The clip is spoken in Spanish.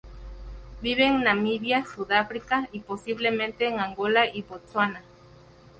Vive en Namibia, Sudáfrica, y posiblemente en Angola y Botsuana.